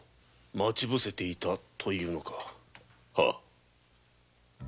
待ち伏せしていたと言うのか。